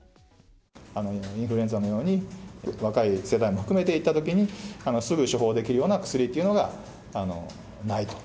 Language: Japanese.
インフルエンザのように、若い世代も含めていったときに、すぐ処方できるような薬というのがないと。